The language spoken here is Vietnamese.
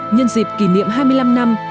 nhân dịp kỷ niệm hai mươi năm năm